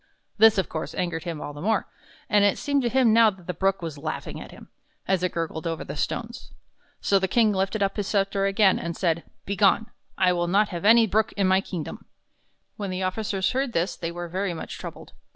This, of course, angered him all the more, and it seemed to him now that the Brook was laughing at him, as it gurgled over the stones. So the King lifted up his scepter again, and said: "Be gone! I will not have any Brook in my kingdom! " When his officers heard this they were very much troubled.